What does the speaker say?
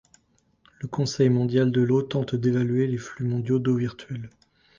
Le Conseil mondial de l'eau tente d'évaluer les flux mondiaux d'eau virtuelle.